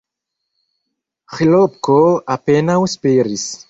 Ĥlopko apenaŭ spiris.